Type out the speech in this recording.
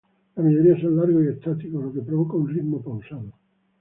La mayoría son largos y estáticos, lo que provoca un ritmo pausado.